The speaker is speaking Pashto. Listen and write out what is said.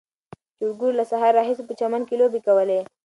چرګوړو له سهار راهیسې په چمن کې لوبې کولې.